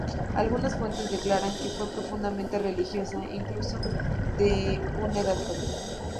Algunas fuentes declaran que fue profundamente religiosa, incluso de una edad joven.